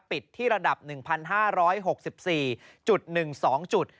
ปิดที่ระดับ๑๕๖๔๑๒จุด